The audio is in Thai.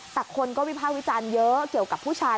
แต่คนก็วิภาควิจารณ์เยอะเกี่ยวกับผู้ชาย